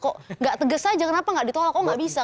kok nggak tegas saja kenapa nggak ditolak kok nggak bisa